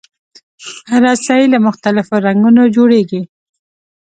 رسۍ له مختلفو رنګونو جوړېږي.